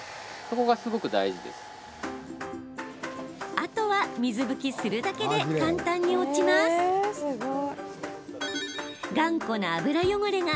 あとは、水拭きするだけで簡単に落ちます。